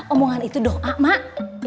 omongan itu doa mak